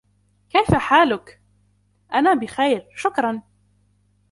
كيف حالك؟ "انا بخير، شكرا."